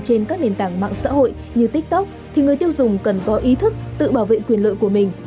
trên các nền tảng mạng xã hội như tiktok thì người tiêu dùng cần có ý thức tự bảo vệ quyền lợi của mình